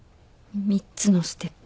３つのステップ。